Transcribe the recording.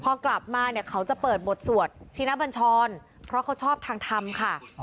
พอกลับมาเนี่ยเขาจะเปิดบทสวดชินบัญชรเพราะเขาชอบทางธรรมค่ะ